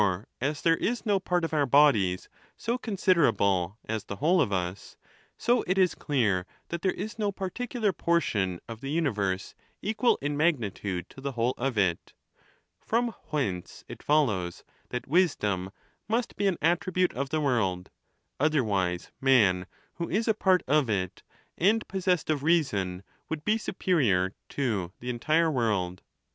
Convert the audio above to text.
267 as there is no part of our bodies so considerable as the whole of us, so it is clear that there is no particular por tion of the universe equal in magnitude to the whole of it ; from whence it follows that wisdom must be an attribute of the world ; otherwise man, who is a part of it, and pos sessed of reason, would be superior to the entire world.